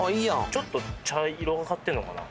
ちょっと茶色がかってんのかな？